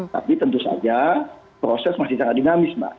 tapi tentu saja proses masih sangat dinamis mbak